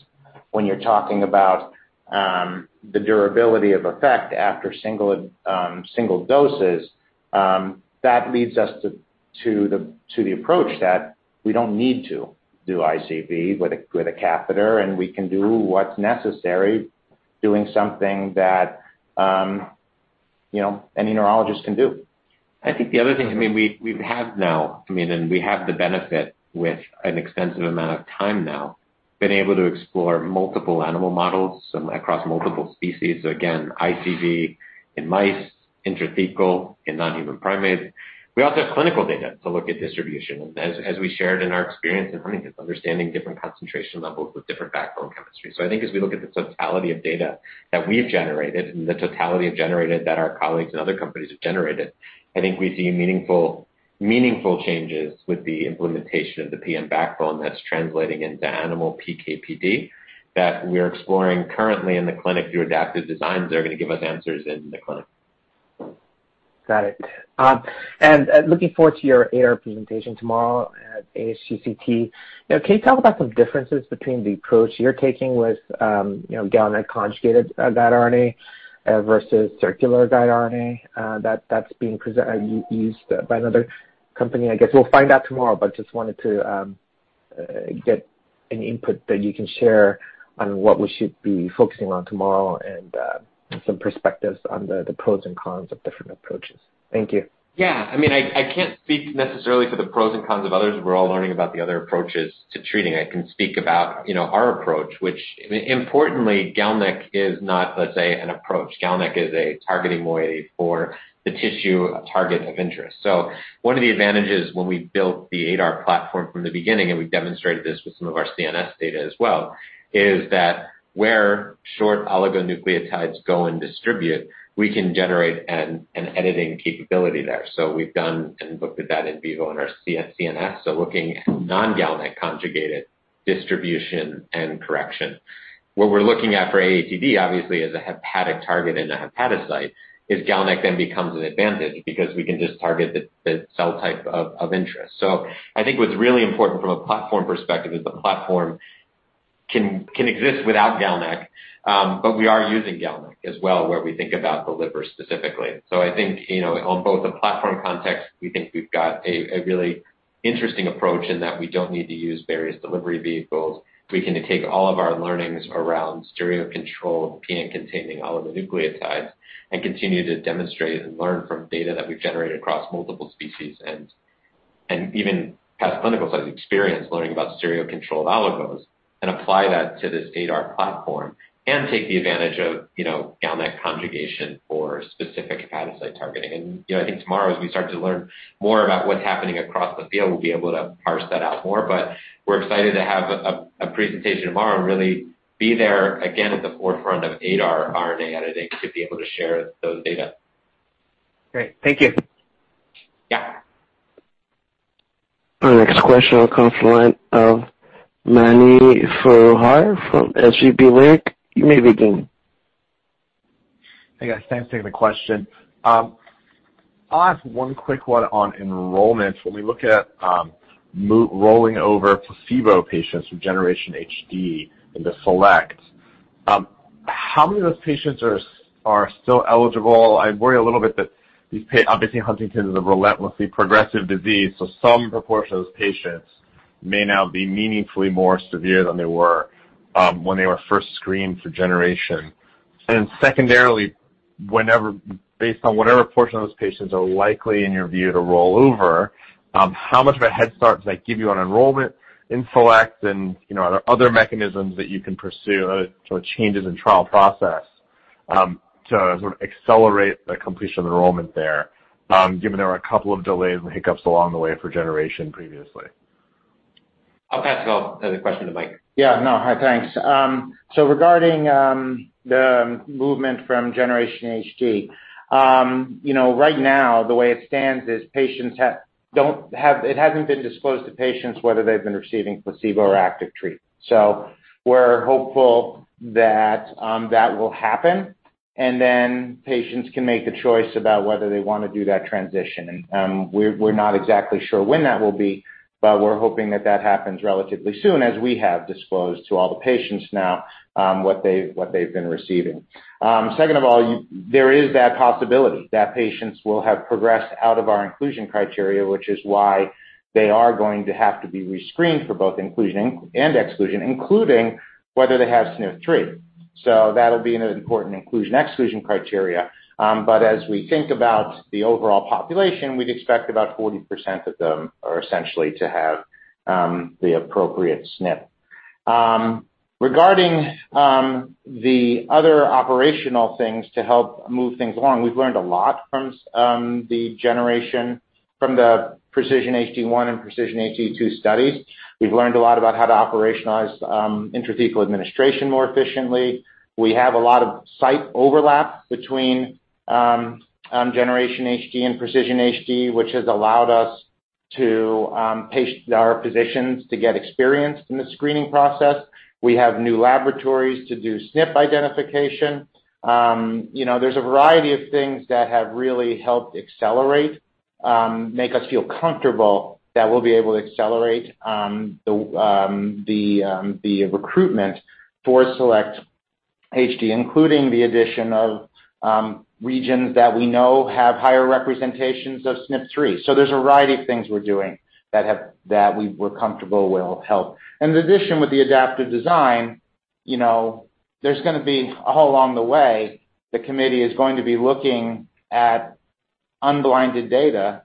when you're talking about the durability of effect after single doses. That leads us to the approach that we don't need to do ICV with a catheter, and we can do what's necessary, doing something that any neurologist can do. I think the other thing, we have the benefit with an extensive amount of time now, been able to explore multiple animal models across multiple species. Again, ICV in mice, intrathecal in non-human primates. We also have clinical data to look at distribution. As we shared in our experience in Huntington's, understanding different concentration levels with different backbone chemistry. I think as we look at the totality of data that we've generated and the totality of generated that our colleagues and other companies have generated, I think we see meaningful changes with the implementation of the PN backbone that's translating into animal PK/PD that we're exploring currently in the clinic through adaptive designs that are going to give us answers in the clinic. Got it, looking forward to your AR presentation tomorrow at ASGCT. Can you tell me about some differences between the approach you're taking with GalNAc conjugated guide RNA versus circular guide RNA that's being used by another company? I guess we'll find out tomorrow, but just wanted to get any input that you can share on what we should be focusing on tomorrow and some perspectives on the pros and cons of different approaches? Thank you. I can't speak necessarily to the pros and cons of others. We're all learning about the other approaches to treating. I can speak about our approach, which importantly, GalNAc is not, let's say, an approach. GalNAc is a targeting moiety for the tissue target of interest. One of the advantages when we built the ADAR platform from the beginning, and we've demonstrated this with some of our CNS data as well, is that where short oligonucleotides go and distribute, we can generate an editing capability there. We've done and looked at that in vivo in our CNS. Looking at non-GalNAc conjugated distribution and correction. What we're looking at for AATD obviously as a hepatic target in a hepatocyte, is GalNAc then becomes an advantage because we can just target the cell type of interest. I think what's really important from a platform perspective is the platform can exist without GalNAc, but we are using GalNAc as well, where we think about the liver specifically. I think, on both the platform context, we think we've got a really interesting approach in that we don't need to use various delivery vehicles. We can take all of our learnings around stereo-controlled PN-containing oligonucleotides and continue to demonstrate and learn from data that we've generated across multiple species, and even have clinical site experience learning about stereo-controlled oligos and apply that to this ADAR platform and take the advantage of GalNAc conjugation for specific antibody targeting. I think tomorrow as we start to learn more about what's happening across the field, we'll be able to parse that out more. We're excited to have a presentation tomorrow, really be there again at the forefront of ADAR RNA editing to be able to share those data. Great, thank you. Yeah. Our next question will come from the line of Mani Foroohar from SVB Leerink, you may begin. Hey, guys, thanks for taking the question. I'll ask one quick one on enrollment. When we look at rolling over placebo patients from GENERATION HD2 into SELECT, how many of those patients are still eligible? I worry a little bit that obviously Huntington's is a relentlessly progressive disease. Some proportion of those patients may now be meaningfully more severe than they were when they were first screened for Generation. Secondarily, based on whatever portion of those patients are likely, in your view, to roll over, how much of a head start does that give you on enrollment in SELECT? Are there other mechanisms that you can pursue, sort of changes in trial process, to sort of accelerate the completion of enrollment there, given there were a couple of delays and hiccups along the way for GENERATION previously? I'll pass the question to Mike. Yeah, no, hi, thanks. Regarding the movement from GENERATION HD. Right now the way it stands is it hasn't been disclosed to patients whether they've been receiving placebo or active treatment. We're hopeful that will happen, and then patients can make a choice about whether they want to do that transition. We're not exactly sure when that will be, but we're hoping that that happens relatively soon, as we have disclosed to all the patients now what they've been receiving. Second of all, there is that possibility that patients will have progressed out of our inclusion criteria, which is why they are going to have to be rescreened for both inclusion and exclusion, including whether they have SNP3. That'll be an important inclusion/exclusion criteria. As we think about the overall population, we'd expect about 40% of them are essentially to have the appropriate SNP. Regarding the other operational things to help move things along, we've learned a lot from the PRECISION-HD1 and PRECISION-HD2 studies. We've learned a lot about how to operationalize intrathecal administration more efficiently. We have a lot of site overlap between GENERATION HD and PRECISION-HD, which has allowed our physicians to get experienced in the screening process. We have new laboratories to do SNP identification. There's a variety of things that have really helped accelerate, make us feel comfortable that we'll be able to accelerate the recruitment for SELECT-HD, including the addition of regions that we know have higher representations of SNP3. There's a variety of things we're doing that we're comfortable will help. In addition, with the adaptive design, there's going to be all along the way, the committee is going to be looking at unblinded data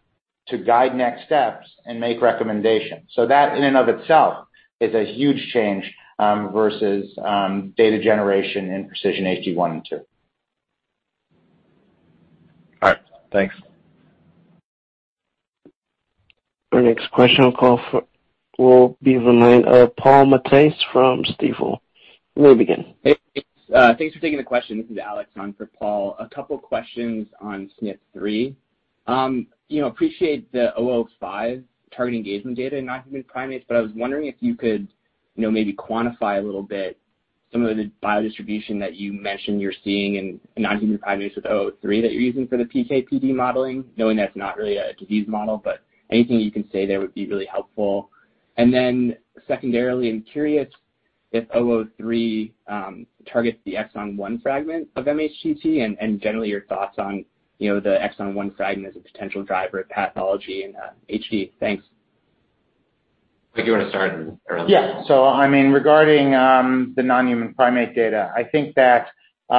to guide next steps and make recommendations. That in and of itself is a huge change versus data generation in PRECISION-HD1 and PRECISION-HD2. All right, thanks. Our next question call will be from the line of Paul Matteis from Stifel, you may begin. Hey, thanks for taking the question. This is Alex on for Paul, a couple questions on SNP3. Appreciate the WVE-005 target engagement data in non-human primates, but I was wondering if you could maybe quantify a little bit some of the biodistribution that you mentioned you're seeing in non-human primates with WVE-003 that you're using for the PK/PD modeling, knowing that's not really a disease model, but anything you can say there would be really helpful. Secondarily, I'm curious if WVE-003 targets the exon 1 fragment of mHTT and generally your thoughts on the exon 1 fragment as a potential driver of pathology in HD, thanks. Mike, you want to start and then turn it over to me? Yeah, I mean, regarding the non-human primate data, I think that what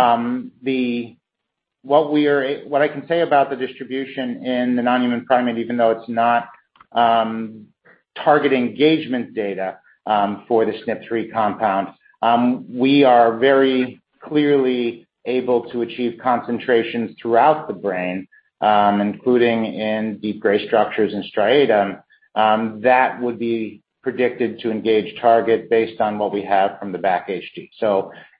I can say about the distribution in the non-human primate, even though it's not target engagement data for the SNP3 compound, we are very clearly able to achieve concentrations throughout the brain, including in deep gray structures and striatum, that would be predicted to engage target based on what we have from the BACHD.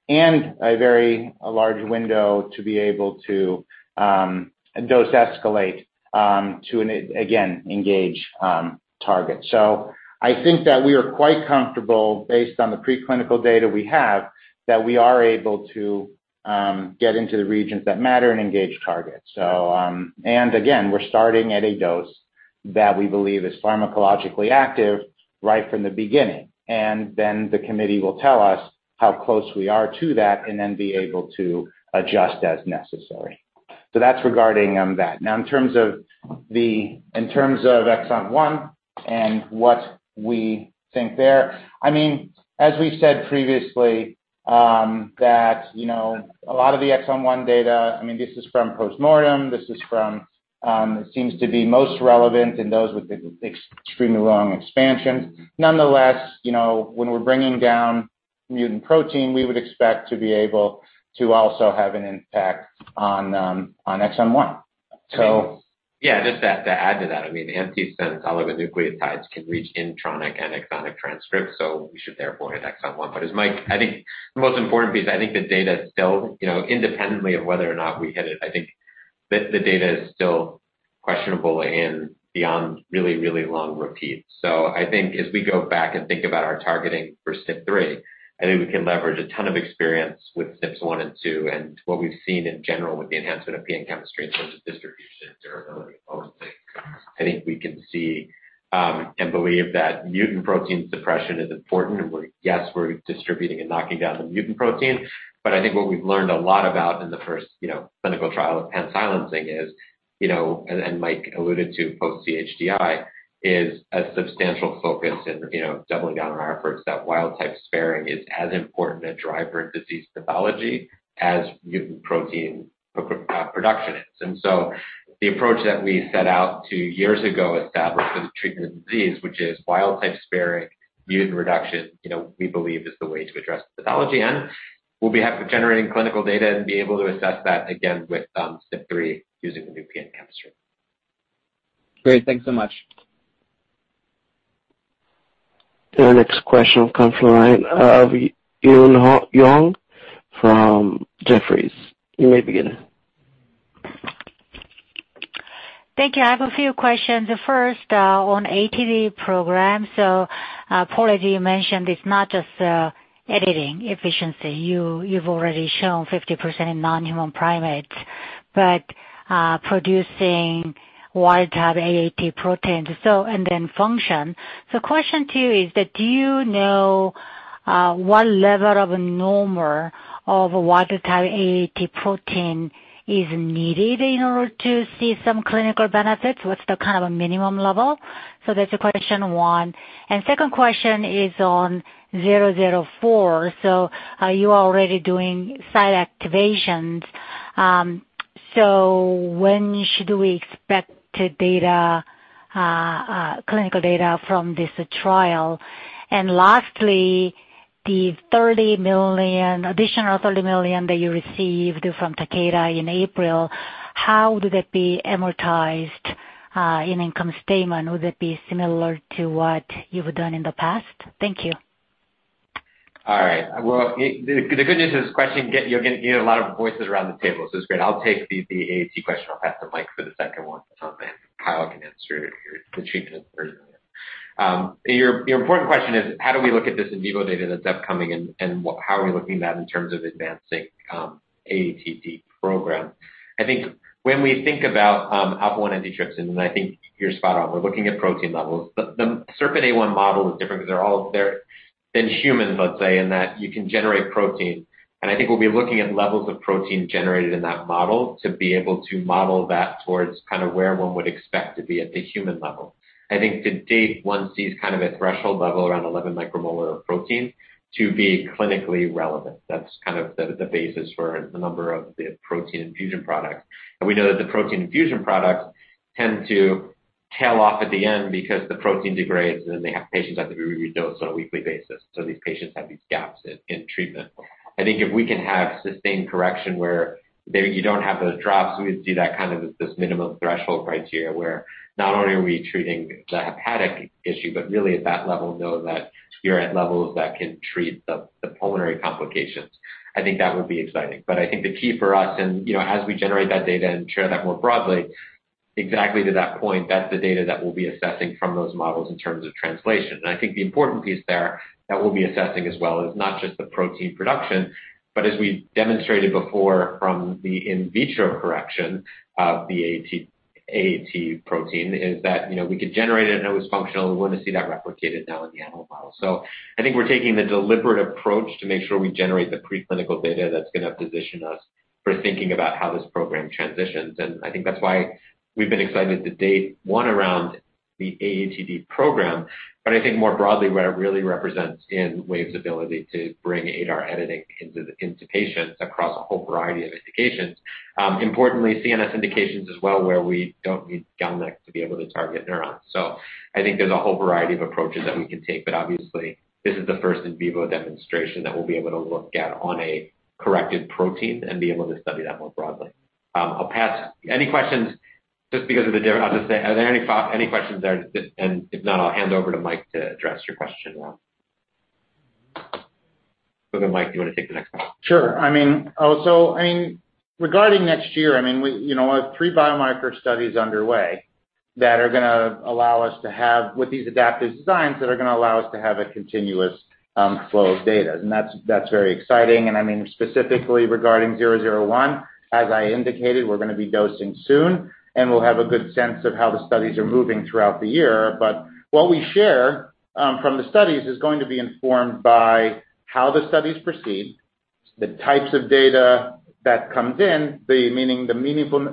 And a very large window to be able to dose escalate to again, engage target. I think that we are quite comfortable based on the preclinical data we have, that we are able to get into the regions that matter and engage targets. Again, we're starting at a dose that we believe is pharmacologically active right from the beginning, and then the committee will tell us how close we are to that and then be able to adjust as necessary. That's regarding that. In terms of exon 1 and what we think there, as we've said previously, that a lot of the exon 1 data, this is from postmortem. It seems to be most relevant in those with extremely long expansion. Nonetheless, when we're bringing down mutant protein, we would expect to be able to also have an impact on exon 1. Yeah, just to add to that, antisense oligonucleotides can reach intronic and exonic transcripts, we should therefore hit exon 1. I think the most important piece, independently of whether or not we hit it, I think the data is still questionable and beyond really long repeat. I think as we go back and think about our targeting for SNP3, I think we can leverage a ton of experience with SNP1 and SNP2 and what we've seen in general with the enhancement of PN chemistry in terms of distribution, durability, dosing. I think we can see and believe that mutant protein suppression is important, yes, we're distributing and knocking down the mutant protein. I think what we've learned a lot about in the first clinical trial of is, and Mike alluded to post-CHDI, is a substantial focus in doubling down on our efforts that wild type sparing is as important a driver of disease pathology as mutant protein production is. The approach that we set out to years ago establish for the treatment of disease, which is wild type sparing, mutant reduction, we believe is the way to address the pathology, and we'll be generating clinical data and be able to assess that again with SNP3 using the new PN chemistry. Great, thanks so much. The next question will come from the line of Eun Yang from Jefferies, you may begin. Thank you, I have a few questions. First, on AATD program, Paul already mentioned it's not just editing efficiency. You've already shown 50% in non-human primates, but producing wild type AAT protein and then function. Question two is that do you know what level of a number of wild type AAT protein is needed in order to see some clinical benefits? What's the kind of a minimum level? That's question one. Second question is on WVE-004. Are you already doing site activations? When should we expect clinical data from this trial? Lastly, the additional $30 million that you received from Takeda in April, how would that be amortized in income statement? Would it be similar to what you've done in the past? Thank you. All right, well, the good news is this question, you'll get a lot of voices around the table, so it's great. I'll take the AAT question; I'll pass to Mike for the second one. Kyle can answer the Takeda quesion. Your important question is how do we look at this in vivo data that's upcoming, and how are we looking at that in terms of advancing AATD program? I think when we think about alpha-1 antitrypsin, I think you're spot on. We're looking at protein levels. The SERPINA1 model is different because they're all in humans, let's say, in that you can generate protein. I think we'll be looking at levels of protein generated in that model to be able to model that towards where one would expect to be at the human level. I think to date, one sees kind of a threshold level around 11 micromolar of protein to be clinically relevant. That's kind of the basis for a number of the protein infusion products. We know that the protein infusion products tend to tail off at the end because the protein degrades, and then they have patients that have to be redosed on a weekly basis. These patients have these gaps in treatment. I think if we can have sustained correction where you don't have those drops, we would see that as this minimum threshold criteria where not only are we treating the hepatic issue, but really at that level know that you're at levels that can treat the pulmonary complications, I think that would be exciting. I think the key for us and, as we generate that data and share that more broadly, exactly to that point, that's the data that we'll be assessing from those models in terms of translation. I think the important piece there that we'll be assessing as well is not just the protein production, but as we demonstrated before from the in vitro correction of the AAT protein, is that we could generate it and it was functional. We want to see that replicated now in the animal model. I think we're taking the deliberate approach to make sure we generate the preclinical data that's going to position us for thinking about how this program transitions, and I think that's why we've been excited to date, one, around the AATD program. I think more broadly, what it really represents in Wave's ability to bring ADAR editing into patients across a whole variety of indications. Importantly, CNS indications as well, where we don't need GalNAc to be able to target neurons. I think there's a whole variety of approaches that we can take. Obviously, this is the first in vivo demonstration that we'll be able to look at on a corrected protein and be able to study that more broadly. I'll pass any questions, just because of the demo, I'll just say, are there any questions there? If not, I'll hand it over to Mike to address your question. Mike, do you want to take the next one? Regarding next year, we have three biomarker studies underway with these adaptive designs that are going to allow us to have a continuous flow of data. That's very exciting, and specifically regarding WVE-001, as I indicated, we're going to be dosing soon, and we'll have a good sense of how the studies are moving throughout the year. What we share from the studies is going to be informed by how the studies proceed, the types of data that comes in,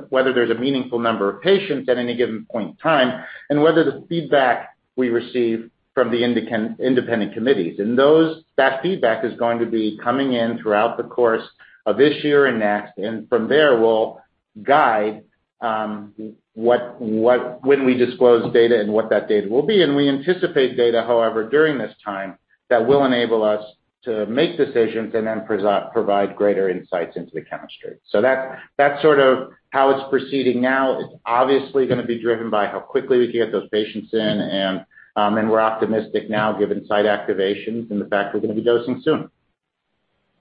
whether there's a meaningful number of patients at any given point in time, and whether the feedback we receive from the independent committees. That feedback is going to be coming in throughout the course of this year and next, and from there, we'll guide when we disclose data and what that data will be. We anticipate data, however, during this time that will enable us to make decisions and then provide greater insights into the chemistry. That's sort of how it's proceeding now. It's obviously going to be driven by how quickly we can get those patients in, and we're optimistic now given site activations and the fact we're going to be dosing soon.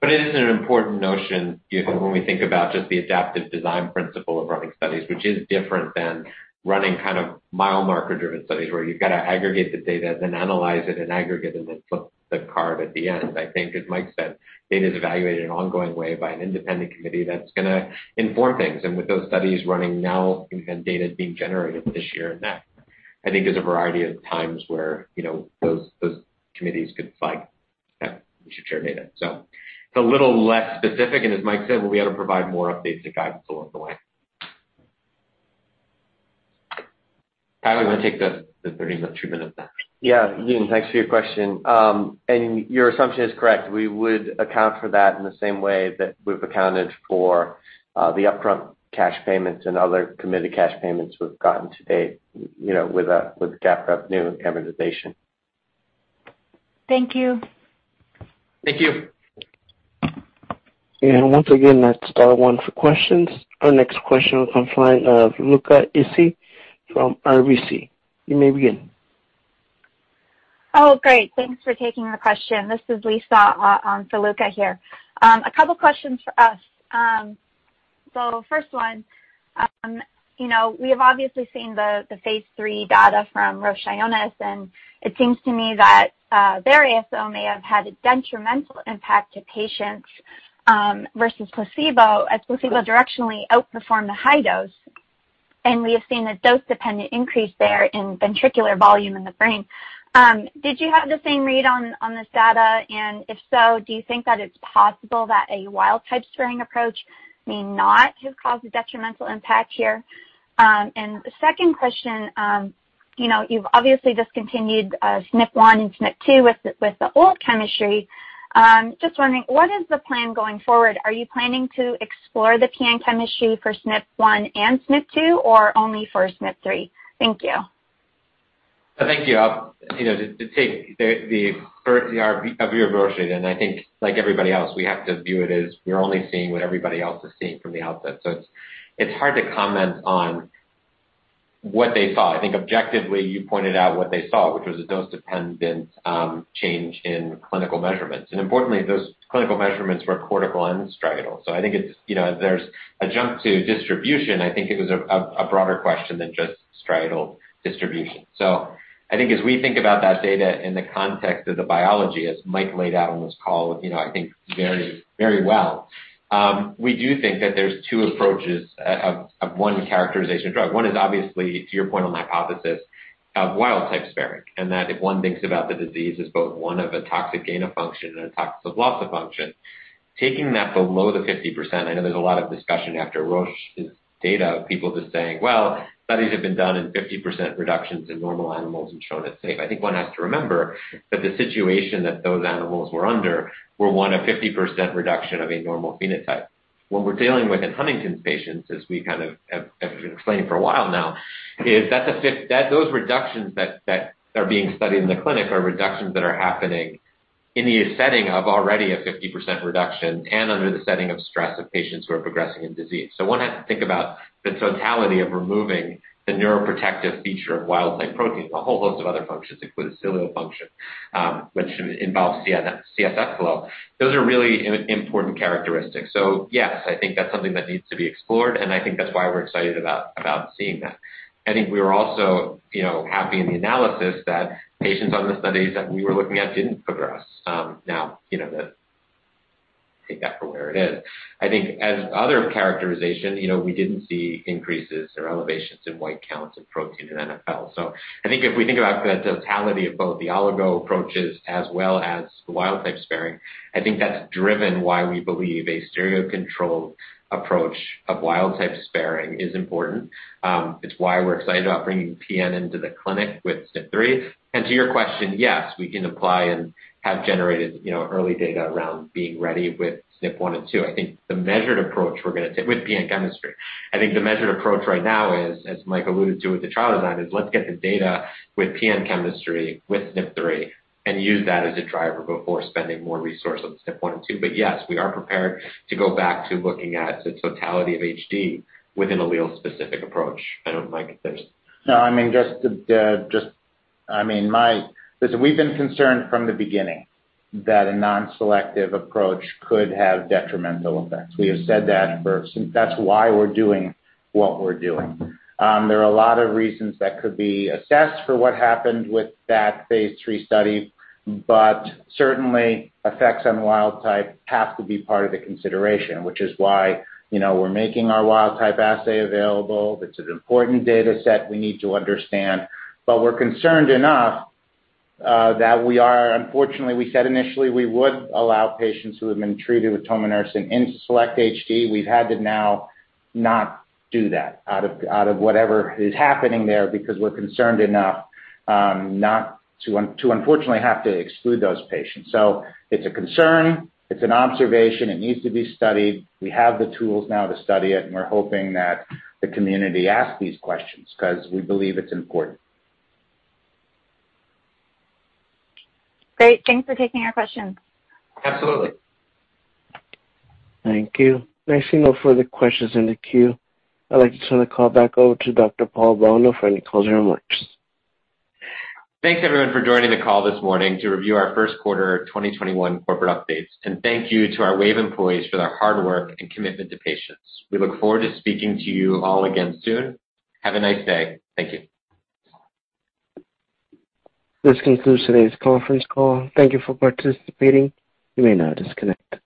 It is an important notion, when we think about just the adaptive design principle of running studies, which is different than running kind of mile marker driven studies where you've got to aggregate the data and then analyze it and aggregate it and then flip the card at the end. I think as Mike said, data is evaluated in an ongoing way by an independent committee that's going to inform things. With those studies running now and data being generated this year and next, I think there's a variety of times where those committees could flag that we should share data. It's a little less specific, and as Mike said, we'll be able to provide more updates to guidance along the way. Kyle, you want to take the two minutes then? Yeah, Eun, thanks for your question. Your assumption is correct, we would account for that in the same way that we've accounted for the upfront cash payments and other committed cash payments we've gotten to date with GAAP revenue and amortization. Thank you. Thank you. Once again, that's dial one for questions. Our next question will come from line of Luca Issi from RBC, you may begin. Thanks for taking the question, this is Lisa for Luca here. A couple questions for us. First one, we have obviously seen the phase III data from Roche Ionis, and it seems to me that may have had a detrimental impact to patients, versus placebo, as placebo directionally outperformed the high dose. We have seen a dose-dependent increase there in ventricular volume in the brain. Did you have the same read on this data? If so, do you think that it's possible that a wild type sparing approach may not have caused a detrimental impact here? The second question, you've obviously discontinued SNP1 and SNP2 with the old chemistry. Just wondering, what is the plan going forward? Are you planning to explore the PN chemistry for SNP1 and SNP2 or only for SNP3? Thank you. Thank you, to take the view of Roche, I think like everybody else, we have to view it as we're only seeing what everybody else is seeing from the outset. It's hard to comment on what they saw. I think objectively, you pointed out what they saw, which was a dose-dependent change in clinical measurements. Importantly, those clinical measurements were cortical and striatal. I think there's a jump to distribution. I think it was a broader question than just striatal distribution. I think as we think about that data in the context of the biology, as Mike laid out on this call I think very well, we do think that there's two approaches of one characterization of drug. One is obviously to your point on my hypothesis of wild type sparing, and that if one thinks about the disease as both one of a toxic gain of function and a toxic loss of function, taking that below the 50%, I know there's a lot of discussion after Roche's data of people just saying, "Well, studies have been done in 50% reductions in normal animals and shown it's safe." I think one has to remember that the situation that those animals were under were, one, a 50% reduction of a normal phenotype. What we're dealing with in Huntington's patients, as we kind of have been explaining for a while now, is that those reductions that are being studied in the clinic are reductions that are happening in the setting of already a 50% reduction and under the setting of stress of patients who are progressing in disease. One has to think about the totality of removing the neuroprotective feature of wild type protein, a whole host of other functions, including cilia function, which involves CSF flow. Those are really important characteristics. Yes, I think that's something that needs to be explored, and I think that's why we're excited about seeing that. I think we were also happy in the analysis that patients on the studies that we were looking at didn't progress. Now, take that for where it is. I think as other characterization, we didn't see increases or elevations in white counts of protein and NfL. I think if we think about the totality of both the oligo approaches as well as the wild type sparing, I think that's driven why we believe a stereo controlled approach of wild type sparing is important. It's why we're excited about bringing PN into the clinic with SNP3. To your question, yes, we can apply and have generated early data around being ready with SNP1 and SNP2. I think the measured approach right now is, as Mike alluded to with the trial design, let's get the data with PN chemistry with SNP3 and use that as a driver before spending more resource on SNP1 and SNP2. Yes, we are prepared to go back to looking at the totality of HD within an allele-specific approach, I don't know, Mike, if there's- No, listen, we've been concerned from the beginning that a non-selective approach could have detrimental effects. We have said that's why we're doing what we're doing. There are a lot of reasons that could be assessed for what happened with that phase III study, certainly effects on wild type have to be part of the consideration, which is why we're making our wild type assay available. It's an important data set we need to understand. We're concerned enough that unfortunately, we said initially we would allow patients who have been treated with tominersen in SELECT-HD. We've had to now not do that out of whatever is happening there, because we're concerned enough to unfortunately have to exclude those patients. It's a concern. It's an observation. It needs to be studied. We have the tools now to study it, and we're hoping that the community asks these questions because we believe it's important. Great, thanks for taking our questions. Absolutely. Thank you, I see no further questions in the queue. I'd like to turn the call back over to Dr. Paul Bolno for any closing remarks. Thanks, everyone, for joining the call this morning to review our first quarter 2021 corporate updates. Thank you to our Wave employees for their hard work and commitment to patients. We look forward to speaking to you all again soon. Have a nice day, thank you. This concludes today's conference call. Thank you for participating, you may now disconnect.